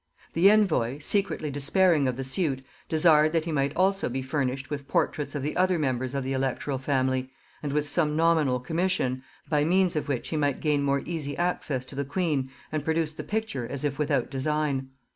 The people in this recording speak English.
The envoy, secretly despairing of the suit, desired that he might also be furnished with portraits of the other members of the electoral family, and with some nominal commission by means of which he might gain more easy access to the queen, and produce the picture as if without design.